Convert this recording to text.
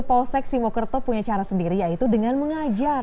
polsek simokerto punya cara sendiri yaitu dengan mengajar